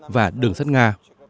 và đường sắt nga